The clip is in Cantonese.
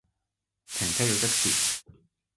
停車要熄匙